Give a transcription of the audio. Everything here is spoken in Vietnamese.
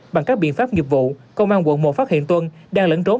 bằng các biện pháp nghiệp vụ công an quận một phát hiện tuân đang lẫn trốn